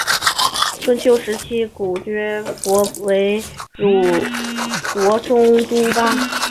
春秋时期古厥国为鲁国中都邑。